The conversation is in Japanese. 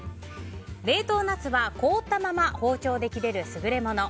冷凍ナスは、凍ったまま包丁で切れる優れもの。